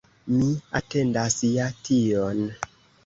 Mi atendas ja tion.